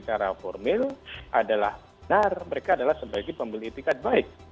secara formil adalah benar mereka adalah sebagai pembeli tiket baik